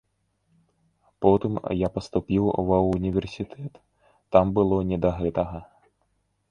Потым я паступіў ва ўніверсітэт, там было не да гэтага.